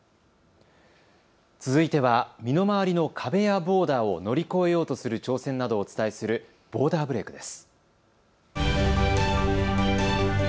続いては身の回りの壁やボーダーを乗り越えようとする挑戦などをお伝えするボーダーブレイクです。